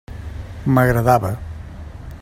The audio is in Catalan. M'agradava.